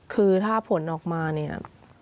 คือถ้าผลออกมาเนี่ย